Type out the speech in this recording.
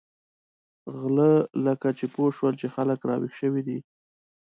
غله لکه چې پوه شول چې خلک را وېښ شوي دي.